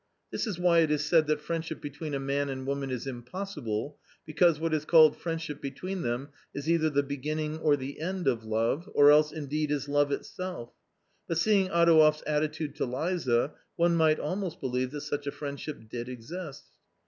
This is why it is said that friendship between a man and woman is impossible, because what is called friendship between them is either the beginning or the end of love, or else indeed is love itself. But seeing Adouev's attitude to Liza, one might almost believe that such a friendship did exist.